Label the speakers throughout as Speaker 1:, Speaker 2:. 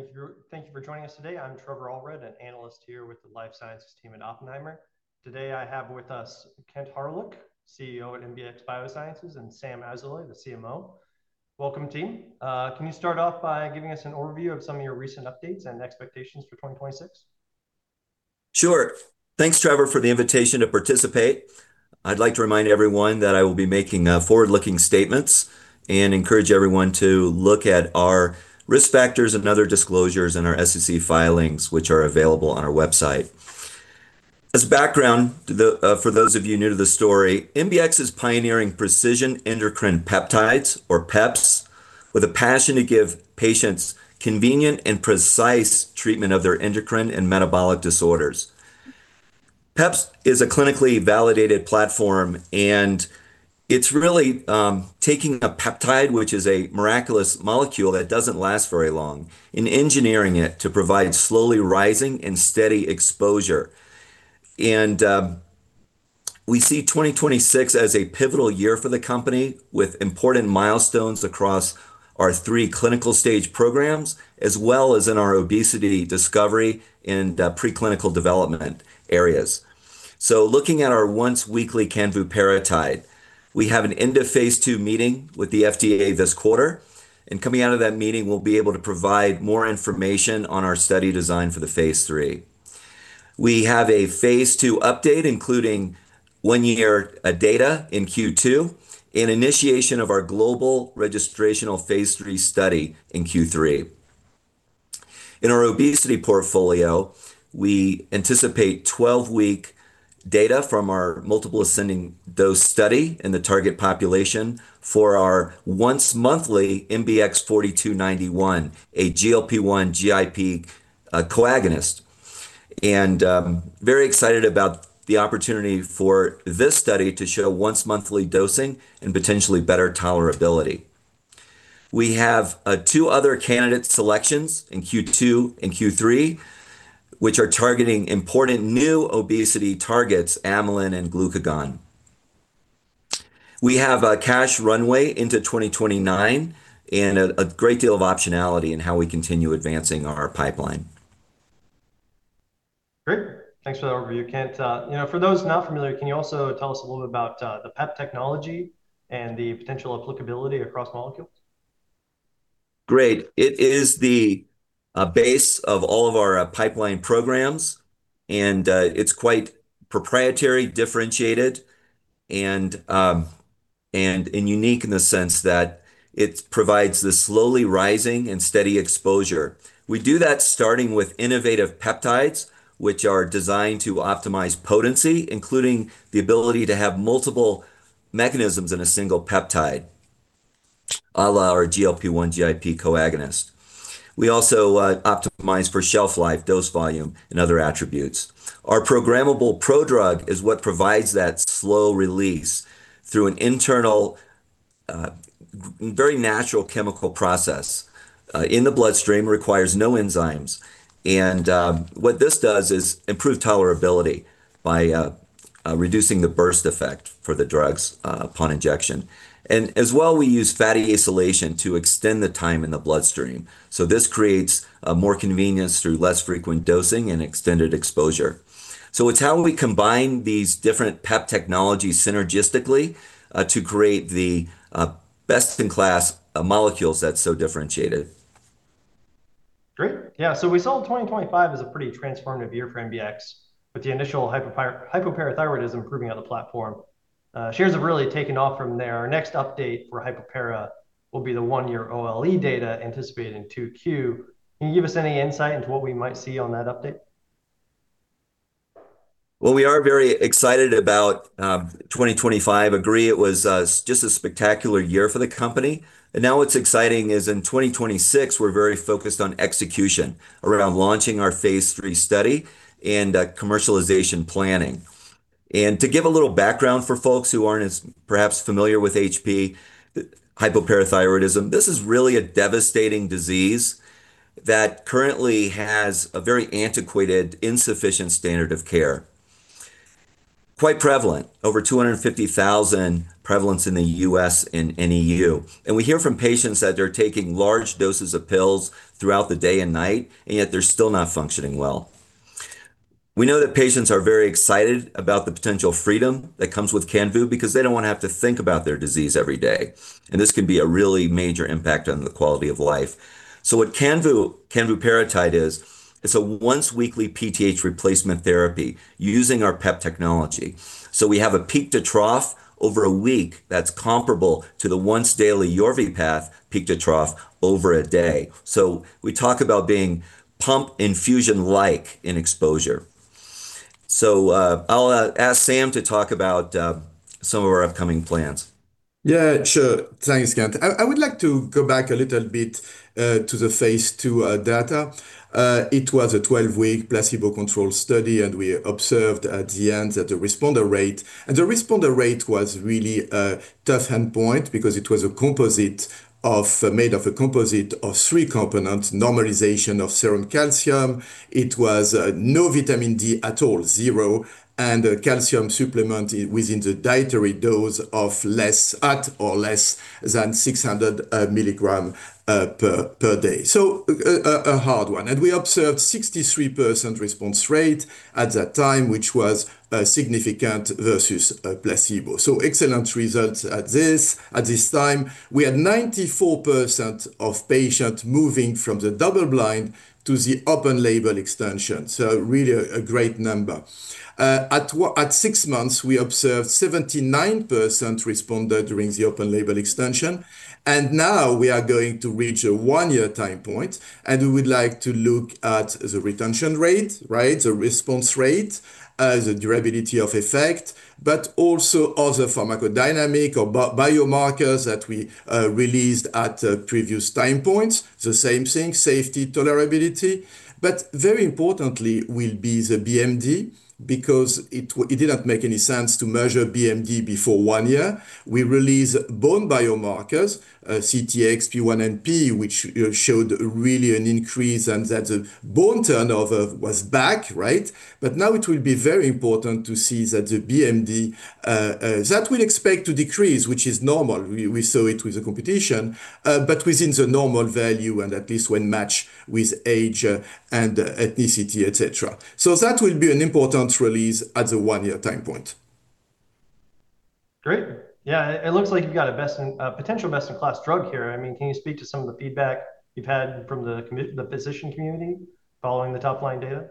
Speaker 1: Hello, everyone, thank you for joining us today. I'm Trevor Allred, an analyst here with the life sciences team at Oppenheimer. Today, I have with us Kent Hawryluk, CEO at MBX Biosciences, and Samer Ali, the CMO. Welcome, team. Can you start off by giving us an overview of some of your recent updates and expectations for 2026?
Speaker 2: Sure. Thanks, Trevor, for the invitation to participate. I'd like to remind everyone that I will be making forward-looking statements and encourage everyone to look at our risk factors and other disclosures in our SEC filings, which are available on our website. As background, for those of you new to the story, MBX is pioneering Precision Endocrine Peptides or PEPs, with a passion to give patients convenient and precise treatment of their endocrine and metabolic disorders. PEPs is a clinically validated platform, and it's really taking a peptide, which is a miraculous molecule that doesn't last very long, and engineering it to provide slowly rising and steady exposure. We see 2026 as a pivotal year for the company, with important milestones across our 3 clinical stage programs, as well as in our obesity discovery and preclinical development areas. Looking at our once-weekly canvuparatide, we have an end-of-phase II meeting with the FDA this quarter, and coming out of that meeting, we'll be able to provide more information on our study design for the phase III. We have a phase II update, including 1 year data in Q2, and initiation of our global registrational phase III study in Q3. In our obesity portfolio, we anticipate 12-week data from our multiple ascending dose study in the target population for our once-monthly MBX-4291, a GLP-1/GIP co-agonist, and very excited about the opportunity for this study to show once-monthly dosing and potentially better tolerability. We have two other candidate selections in Q2 and Q3, which are targeting important new obesity targets, amylin and glucagon. We have a cash runway into 2029 and a great deal of optionality in how we continue advancing our pipeline.
Speaker 1: Great. Thanks for that overview, Kent. You know, for those not familiar, can you also tell us a little bit about the PEP technology and the potential applicability across molecules?
Speaker 2: Great. It is the base of all of our pipeline programs, it's quite proprietary, differentiated, and unique in the sense that it provides this slowly rising and steady exposure. We do that starting with innovative peptides, which are designed to optimize potency, including the ability to have multiple mechanisms in a single peptide, à la our GLP-1/GIP co-agonist. We also optimize for shelf life, dose volume, and other attributes. Our programmable prodrug is what provides that slow release through an internal, very natural chemical process in the bloodstream, requires no enzymes. What this does is improve tolerability by reducing the burst effect for the drugs upon injection. As well, we use fatty acylation to extend the time in the bloodstream. This creates more convenience through less frequent dosing and extended exposure. It's how we combine these different PEP technologies synergistically, to create the best-in-class molecules that's so differentiated.
Speaker 1: Great. We saw 2025 as a pretty transformative year for MBX, with the initial hypoparathyroidism proving on the platform. Shares have really taken off from there. Our next update for hypopara will be the 1-year OLE data anticipated in 2Q. Can you give us any insight into what we might see on that update?
Speaker 2: Well, we are very excited about 2025. Agree, it was just a spectacular year for the company. What's exciting is in 2026, we're very focused on execution around launching our phase III study and commercialization planning. To give a little background for folks who aren't as perhaps familiar with HP, hypoparathyroidism, this is really a devastating disease that currently has a very antiquated, insufficient standard of care. Quite prevalent, over 250,000 prevalence in the U.S. and EU, we hear from patients that they're taking large doses of pills throughout the day and night, and yet they're still not functioning well. We know that patients are very excited about the potential freedom that comes with canvu because they don't want to have to think about their disease every day, and this can be a really major impact on the quality of life. What canvuparatide is, it's a once-weekly PTH replacement therapy using our PEP technology. We have a peak to trough over a week that's comparable to the once-daily YORVIPATH peak to trough over a day. I'll ask Sam to talk about some of our upcoming plans.
Speaker 3: Yeah, sure. Thanks, Kent. I would like to go back a little bit to the phase II data. It was a 12-week placebo-controlled study. We observed at the end that the responder rate was really a tough endpoint because it was made of a composite of 3 components: normalization of serum calcium, it was no vitamin D at all, 0, and a calcium supplement within the dietary dose of at or less than 600 mg per day. A hard one. We observed 63% response rate at that time, which was significant versus placebo. Excellent results at this time. We had 94% of patients moving from the double blind to the open label extension, so really a great number. At six months, we observed 79% responder during the open label extension. Now we are going to reach a 1-year time point, we would like to look at the retention rate, right? The response rate, the durability of effect, also other pharmacodynamic or biomarkers that we released at previous time points. The same thing, safety, tolerability. Very importantly will be the BMD, because it did not make any sense to measure BMD before 1 year. We release bone biomarkers, CTX, P1NP, which showed really an increase, that the bone turnover was back, right? Now it will be very important to see that the BMD that we'd expect to decrease, which is normal. We saw it with the competition, but within the normal value, and at least when matched with age, and ethnicity, et cetera. That will be an important release at the 1-year time point.
Speaker 1: Great. Yeah, it looks like you've got a potential best-in-class drug here. I mean, can you speak to some of the feedback you've had from the physician community following the top-line data?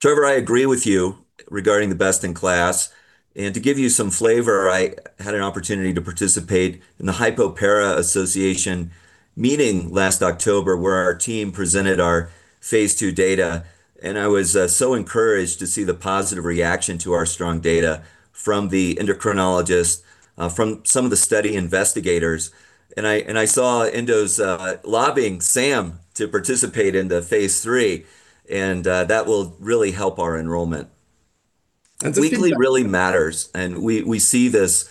Speaker 2: Trevor, I agree with you regarding the best in class, and to give you some flavor, I had an opportunity to participate in the Hypoparathyroidism Association meeting last October, where our team presented our phase II data, and I was so encouraged to see the positive reaction to our strong data from the endocrinologists, from some of the study investigators. I saw endos lobbying Sam to participate in the phase III, and that will really help our enrollment.
Speaker 3: That's a feedback.
Speaker 2: Weekly really matters, and we see this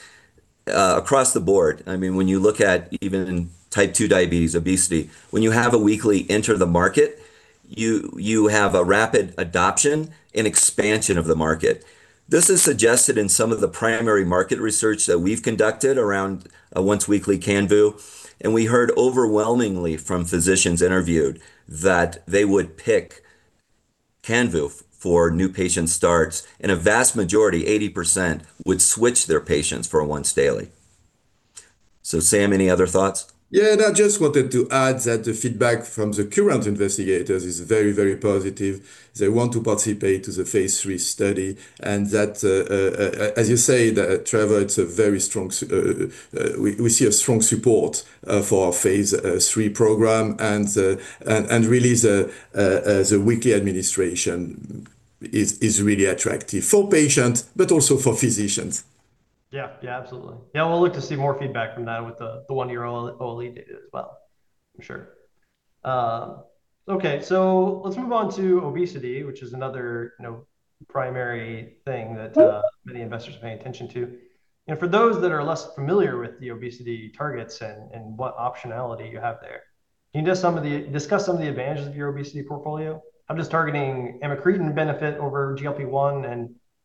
Speaker 2: across the board. I mean, when you look at even in type 2 diabetes, obesity, when you have a weekly enter the market, you have a rapid adoption and expansion of the market. This is suggested in some of the primary market research that we've conducted around a once-weekly canvu, and we heard overwhelmingly from physicians interviewed that they would pick canvu for new patient starts, and a vast majority, 80%, would switch their patients for a once daily. Sam, any other thoughts?
Speaker 3: Yeah, I just wanted to add that the feedback from the current investigators is very, very positive. They want to participate in the phase III study. That, as you say, Trevor, it's a very strong we see a strong support for our phase III program. Really the weekly administration is really attractive for patients, but also for physicians.
Speaker 1: Yeah. Yeah, absolutely. Yeah, we'll look to see more feedback from that with the one-year OLE data as well. I'm sure. Okay, let's move on to obesity, which is another, you know, primary thing that.
Speaker 3: Yeah...
Speaker 1: many investors are paying attention to. For those that are less familiar with the obesity targets and what optionality you have there, can you just discuss some of the advantages of your obesity portfolio? I'm just targeting incretin benefit over GLP-1.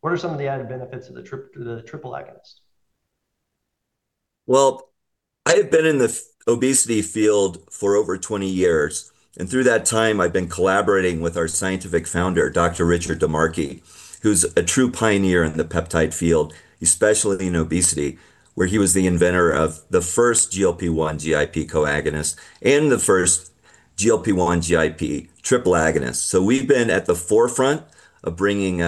Speaker 1: What are some of the added benefits of the triple agonist?
Speaker 2: Well, I've been in the obesity field for over 20 years, and through that time I've been collaborating with our Scientific Co-Founder, Dr. Richard DiMarchi, who's a true pioneer in the peptide field, especially in obesity, where he was the inventor of the first GLP-1 GIP co-agonist and the first GLP-1 GIP triple agonist. We've been at the forefront of bringing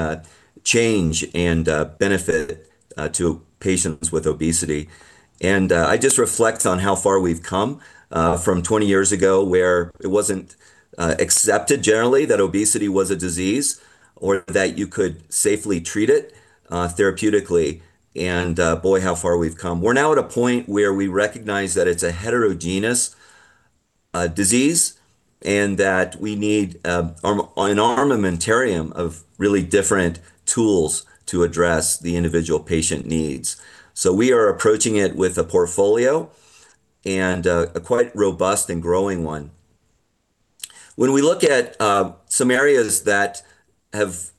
Speaker 2: change and benefit to patients with obesity. I just reflect on how far we've come from 20 years ago, where it wasn't accepted generally that obesity was a disease or that you could safely treat it therapeutically, and boy, how far we've come. We're now at a point where we recognize that it's a heterogeneous disease, and that we need an armamentarium of really different tools to address the individual patient needs. We are approaching it with a portfolio and a quite robust and growing one. When we look at some areas that have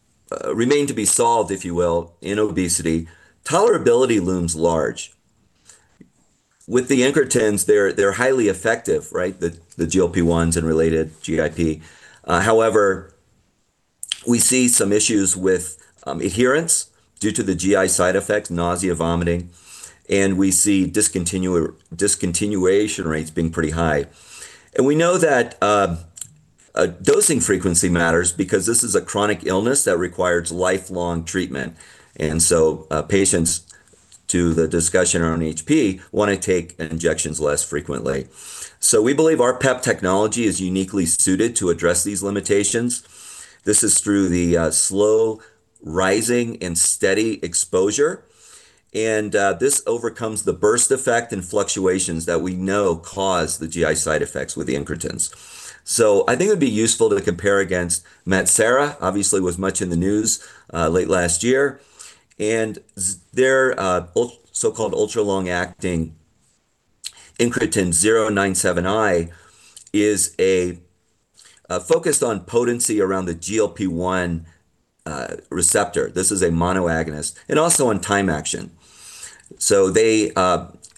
Speaker 2: remained to be solved, if you will, in obesity, tolerability looms large. With the incretins, they're highly effective, right? The GLP-1s and related GIP. However, we see some issues with adherence due to the GI side effects, nausea, vomiting, and we see discontinuation rates being pretty high. We know that dosing frequency matters because this is a chronic illness that requires lifelong treatment, and patients to the discussion on HP, want to take injections less frequently. We believe our PEP technology is uniquely suited to address these limitations. This is through the slow rising and steady exposure, and this overcomes the burst effect and fluctuations that we know cause the GI side effects with the incretins. I think it'd be useful to compare against Metsera, obviously, was much in the news late last year. Their so-called ultra-long acting incretin zero nine seven I is focused on potency around the GLP-1 receptor. This is a mono agonist and also on time action. They,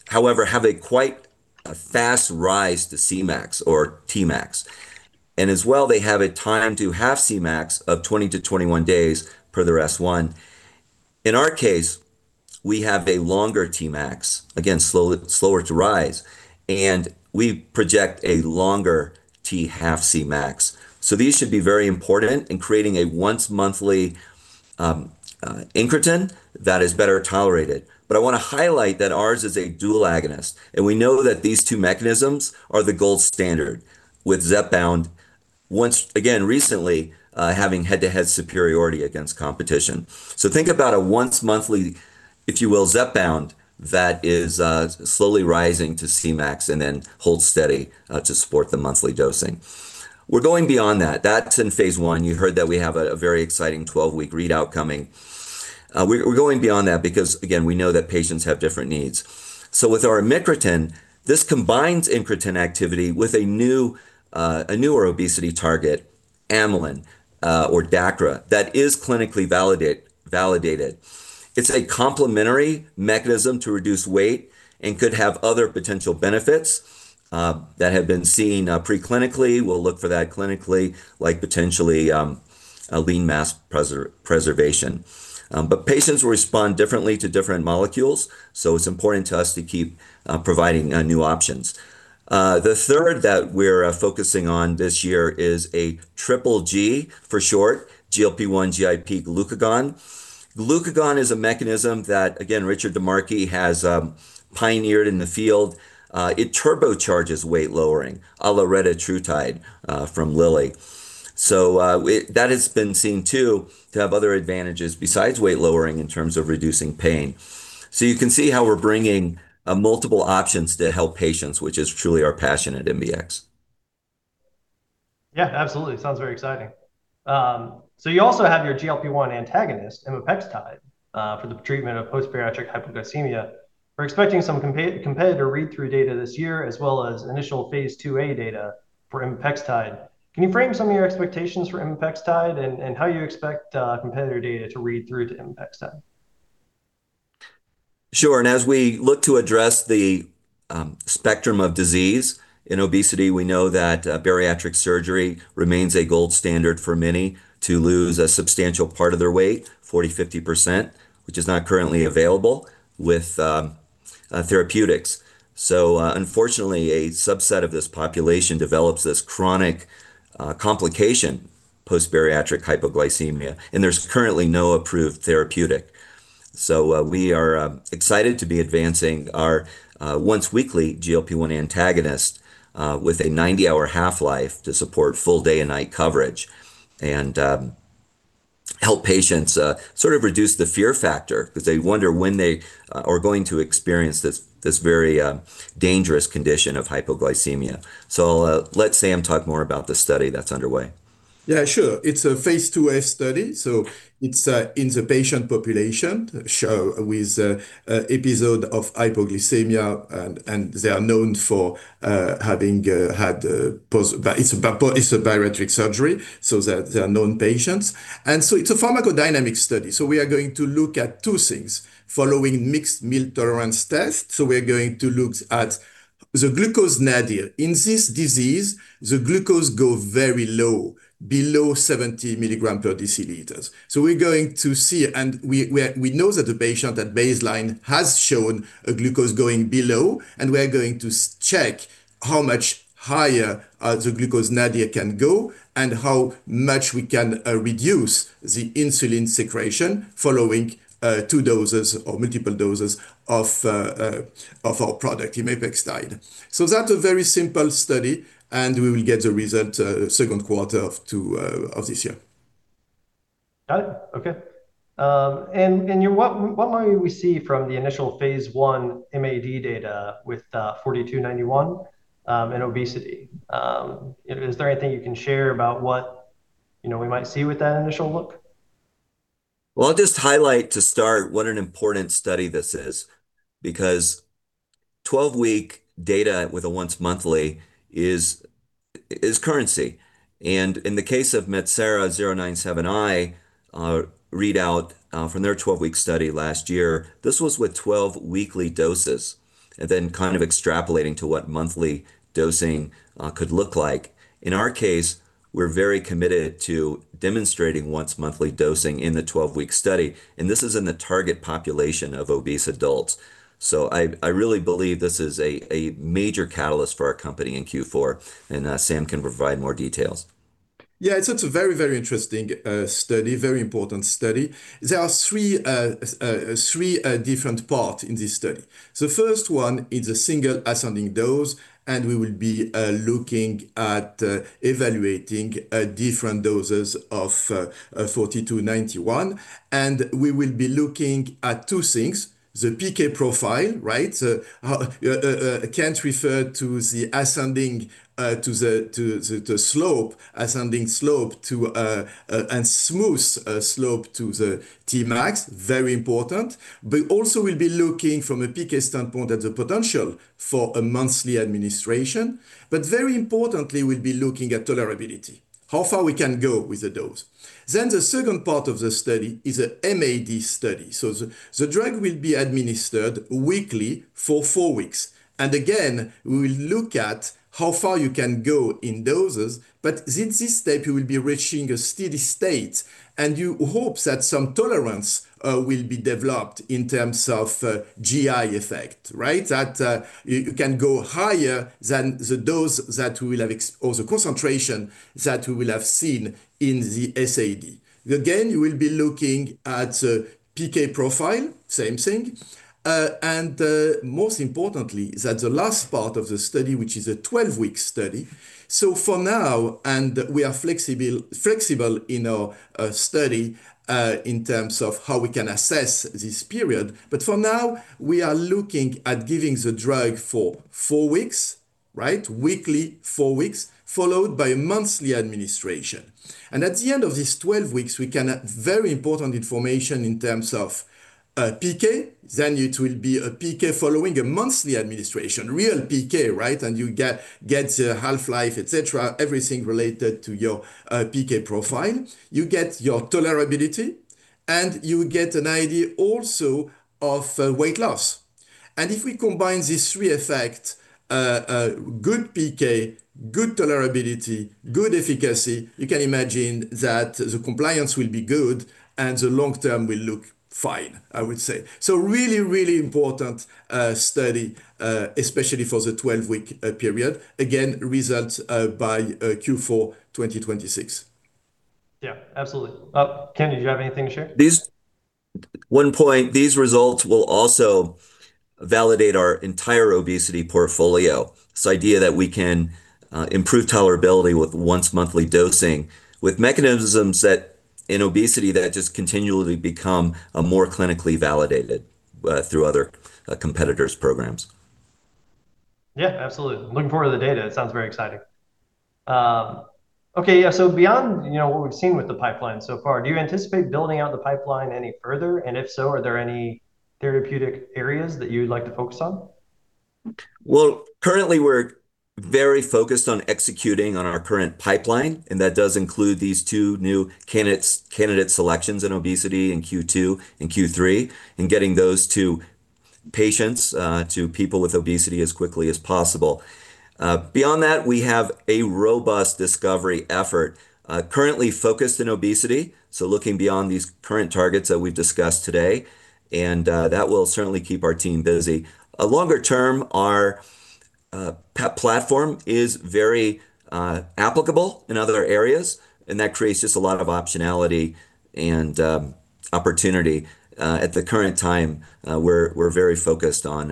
Speaker 2: however, have a quite a fast rise to Cmax or Tmax, and as well, they have a time to half-Cmax of 20-21 days per their S-1. In our case, we have a longer Tmax, again, slower to rise, and we project a longer T-half Cmax. These should be very important in creating a once monthly incretin that is better tolerated. I want to highlight that ours is a dual agonist, and we know that these two mechanisms are the gold standard, with Zepbound once again recently having head-to-head superiority against competition. Think about a once monthly, if you will, Zepbound, that is slowly rising to Cmax and then hold steady to support the monthly dosing. We're going beyond that. That's in phase I. You heard that we have a very exciting 12-week read outcome coming. We're going beyond that because, again, we know that patients have different needs. With our incretin, this combines incretin activity with a new, a newer obesity target, amylin, or DACRA, that is clinically validated. It's a complementary mechanism to reduce weight and could have other potential benefits that have been seen preclinically. We'll look for that clinically, like potentially a lean mass preservation. Patients respond differently to different molecules, so it's important to us to keep providing new options. The third that we're focusing on this year is a Triple G, for short, GLP-1, GIP, glucagon. Glucagon is a mechanism that, again, Richard DiMarchi has pioneered in the field. It turbocharges weight lowering, a la retatrutide, from Lilly. That has been seen too, to have other advantages besides weight lowering in terms of reducing pain. You can see how we're bringing multiple options to help patients, which is truly our passion at MBX.
Speaker 1: Yeah, absolutely. Sounds very exciting. You also have your GLP-1 antagonist, imapextide, for the treatment of post-bariatric hypoglycemia. We're expecting some competitor read-through data this year, as well as initial phase II-A data for imapextide. Can you frame some of your expectations for imapextide and how you expect competitor data to read through to imapextide?
Speaker 2: Sure, as we look to address the spectrum of disease in obesity, we know that bariatric surgery remains a gold standard for many to lose a substantial part of their weight, 40%, 50%, which is not currently available with therapeutics. Unfortunately, a subset of this population develops this chronic complication, post-bariatric hypoglycemia, and there's currently no approved therapeutic. We are excited to be advancing our once weekly GLP-1 antagonist with a 90-hour half-life to support full day and night coverage, and help patients sort of reduce the fear factor, because they wonder when they are going to experience this very dangerous condition of hypoglycemia. Let Sam talk more about the study that's underway.
Speaker 3: Yeah, sure. It's a phase II-A study, so it's in the patient population, show with episode of hypoglycemia, and they are known for having had post-bariatric surgery, so they're known patients. It's a pharmacodynamic study. We are going to look at two things following mixed meal tolerance test. We're going to look at the glucose nadir. In this disease, the glucose go very low, below 70 milligram per deciliters. We're going to see, and we know that the patient at baseline has shown a glucose going below, and we are going to check how much higher the glucose nadir can go and how much we can reduce the insulin secretion following two doses or multiple doses of our product, Imapextide. That's a very simple study, and we will get the result, 2nd quarter of 2024.
Speaker 1: Got it. Okay. What might we see from the initial phase I MAD data with 4291 and obesity? Is there anything you can share about what, you know, we might see with that initial look?
Speaker 2: Well, I'll just highlight to start what an important study this is, because 12-week data with a once monthly is currency. In the case of Metsera zero nine seven I readout from their 12-week study last year, this was with 12 weekly doses, and then kind of extrapolating to what monthly dosing could look like. In our case, we're very committed to demonstrating once monthly dosing in the 12-week study, and this is in the target population of obese adults. I really believe this is a major catalyst for our company in Q4, and Sam can provide more details.
Speaker 3: Yeah, it's a very, very interesting study, very important study. There are three different part in this study. The first one is a single ascending dose, we will be looking at evaluating different doses of MBX 4291. We will be looking at two things: the PK profile, right? Kent referred to the ascending to the the slope, ascending slope to and smooth slope to the Tmax, very important. Also we'll be looking from a PK standpoint at the potential for a monthly administration, Very importantly, we'll be looking at tolerability, how far we can go with the dose. The second part of the study is a MAD study. The drug will be administered weekly for four weeks. Again, we will look at how far you can go in doses, but in this step you will be reaching a steady state, and you hope that some tolerance will be developed in terms of GI effect, right? That you can go higher than the dose that we will have or the concentration that we will have seen in the SAD. You will be looking at the PK profile, same thing. And most importantly, that the last part of the study, which is a 12-week study. For now, and we are flexible in our study in terms of how we can assess this period, but for now, we are looking at giving the drug for 4 weeks, right? Weekly, 4 weeks, followed by a monthly administration. At the end of this 12 weeks, we can very important information in terms of PK, then it will be a PK following a monthly administration, real PK, right? You get a half-life, et cetera, everything related to your PK profile. You get your tolerability, and you get an idea also of weight loss. If we combine these three effects, good PK, good tolerability, good efficacy, you can imagine that the compliance will be good, and the long term will look fine, I would say. Really, really important study, especially for the 12-week period. Again, results by Q4 2026.
Speaker 1: Yeah, absolutely. Kent, did you have anything to share?
Speaker 2: One point, these results will also validate our entire obesity portfolio. This idea that we can improve tolerability with once-monthly dosing, with mechanisms that in obesity that just continually become more clinically validated through other competitors' programs.
Speaker 1: Yeah, absolutely. Looking forward to the data. It sounds very exciting. Okay, yeah, so beyond, you know, what we've seen with the pipeline so far, do you anticipate building out the pipeline any further? If so, are there any therapeutic areas that you'd like to focus on?
Speaker 2: Well, currently we're very focused on executing on our current pipeline. That does include these two new candidates, candidate selections in obesity in Q2 and Q3, getting those to patients, to people with obesity as quickly as possible. Beyond that, we have a robust discovery effort, currently focused in obesity, looking beyond these current targets that we've discussed today. That will certainly keep our team busy. Longer term, our PEP platform is very applicable in other areas. That creates just a lot of optionality and opportunity. At the current time, we're very focused on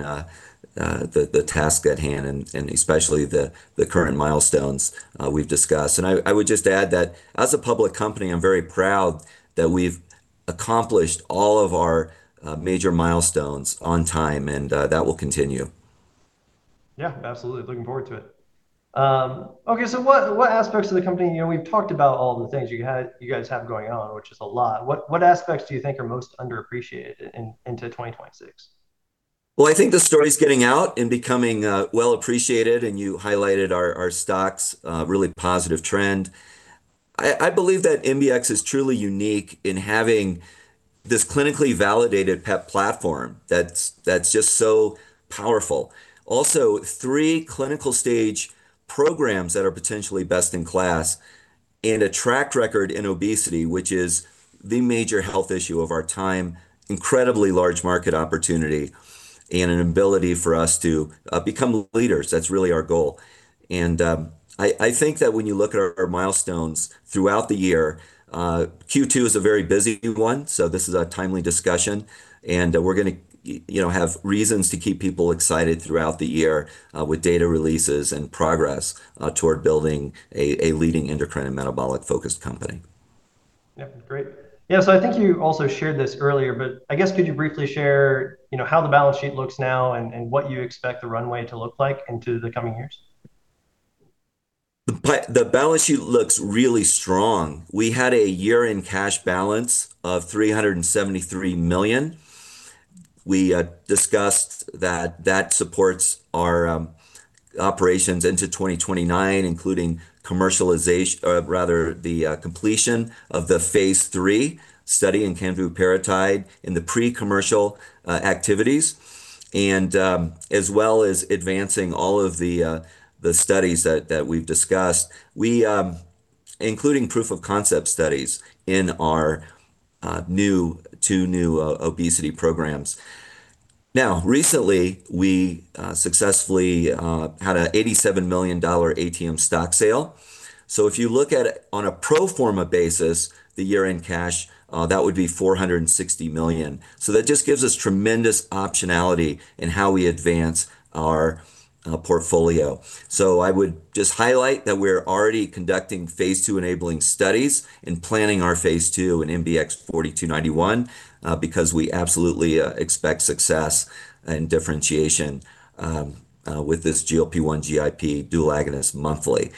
Speaker 2: the task at hand, especially the current milestones we've discussed. I would just add that as a public company, I'm very proud that we've accomplished all of our major milestones on time, and that will continue.
Speaker 1: Yeah, absolutely. Looking forward to it. Okay, what aspects of the company... You know, we've talked about all the things you guys have going on, which is a lot. What aspects do you think are most underappreciated into 2026?
Speaker 2: Well, I think the story's getting out and becoming well appreciated, and you highlighted our stocks really positive trend. I believe that MBX is truly unique in having this clinically validated PEP platform that's just so powerful. Also, three clinical stage programs that are potentially best in class and a track record in obesity, which is the major health issue of our time, incredibly large market opportunity, and an ability for us to become leaders. That's really our goal. I think that when you look at our milestones throughout the year, Q2 is a very busy one, so this is a timely discussion. We're gonna you know, have reasons to keep people excited throughout the year, with data releases and progress toward building a leading endocrine and metabolic-focused company.
Speaker 1: Yeah. Great. Yeah, I think you also shared this earlier, but I guess could you briefly share, you know, how the balance sheet looks now and what you expect the runway to look like into the coming years?
Speaker 2: The balance sheet looks really strong. We had a year-end cash balance of $373 million. We discussed that that supports our operations into 2029, including rather, the completion of the phase III study in canvuparatide in the pre-commercial activities, and as well as advancing all of the studies that we've discussed. We including proof of concept studies in our new, two new obesity programs. Now, recently, we successfully had a $87 million ATM stock sale. If you look at it on a pro forma basis, the year-end cash that would be $460 million. That just gives us tremendous optionality in how we advance our portfolio. I would just highlight that we're already conducting phase II enabling studies and planning our phase II in MBX-4291, because we absolutely expect success and differentiation with this GLP-1/GIP dual agonist monthly.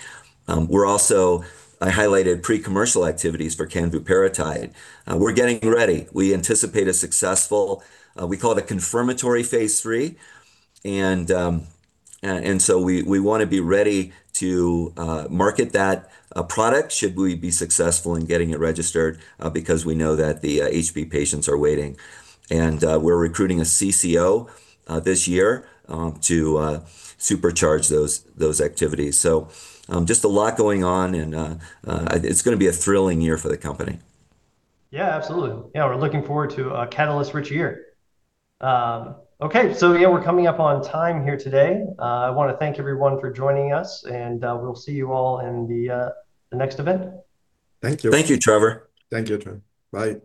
Speaker 2: I highlighted pre-commercial activities for canvuparatide. We're getting ready. We anticipate a successful, we call it a confirmatory phase III, and we wanna be ready to market that product should we be successful in getting it registered, because we know that the HP patients are waiting. We're recruiting a CCO this year to supercharge those activities. Just a lot going on, and it's gonna be a thrilling year for the company.
Speaker 1: Yeah, absolutely. Yeah, we're looking forward to a catalyst-rich year. Okay, yeah, we're coming up on time here today. I want to thank everyone for joining us. We'll see you all in the next event.
Speaker 3: Thank you.
Speaker 2: Thank you, Trevor.
Speaker 3: Thank you, Trevor. Bye.